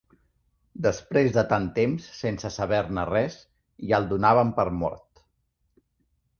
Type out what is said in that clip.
Després de tant temps sense saber-ne res, ja el donàvem per mort.